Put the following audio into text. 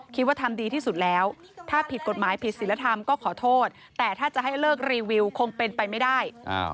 คิดว่าทำดีที่สุดแล้วถ้าผิดกฎหมายผิดศิลธรรมก็ขอโทษแต่ถ้าจะให้เลิกรีวิวคงเป็นไปไม่ได้